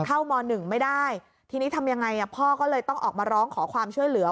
ม๑ไม่ได้ทีนี้ทำยังไงพ่อก็เลยต้องออกมาร้องขอความช่วยเหลือ